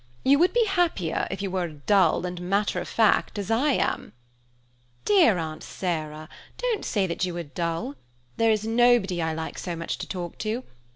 You would be happier if you were as dull and as matter of fact as I am." "Dear Aunt Sarah, don't say you are dull. There is nobody I like so much to talk to.